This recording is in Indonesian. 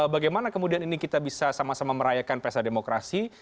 bagaimana kemudian ini kita bisa sama sama merayakan pesademokrasi